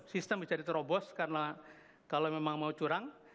sistem bisa diterobos karena kalau memang mau curang